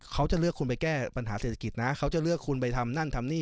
เขาจะเลือกคุณไปแก้ปัญหาเศรษฐกิจนะเขาจะเลือกคุณไปทำนั่นทำนี่